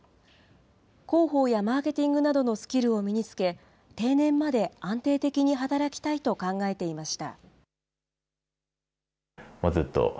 広報やマーケティングなどのスキルを身につけ、定年まで安定的に働きたいと考えていました。